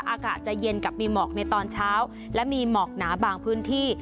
อากาศจะเย็นกับมีหมอกในตอนเช้าและมีหมอกหนาบางพื้นที่